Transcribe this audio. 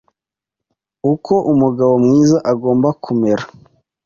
uko umugabo mwiza agomba kumera